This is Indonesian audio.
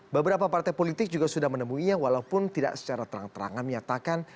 beberapa partai politik juga sudah menemuinya walaupun tidak secara terang terangan menyatakan